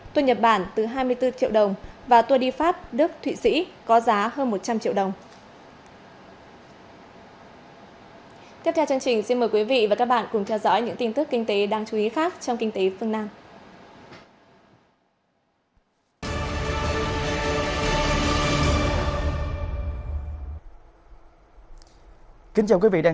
tour nhật bản từ hai mươi bốn triệu đồng và tour đi pháp đức thụy sĩ có giá hơn một trăm linh triệu đồng